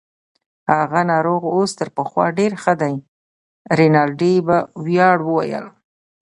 هغه ناروغ اوس تر پخوا ډیر ښه دی. رینالډي په ویاړ وویل.